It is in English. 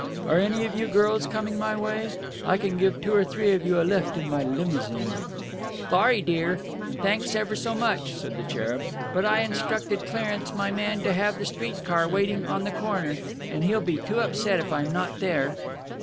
Are any of you girls coming my way? I Can give two or three of you a lift in my limousine." "Thorry, old dear, and thanks ever so much," said the cherub, "but I instructed Clarence, my man, to have the street car waiting on the corner, and he'll be too upset if I'm not there."